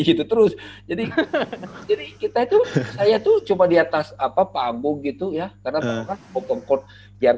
situ terus jadi kita itu saya tuh cuma di atas apa panggung gitu ya karena pengangkat pokok yang